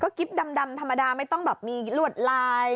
กิ๊บดำธรรมดาไม่ต้องแบบมีลวดลาย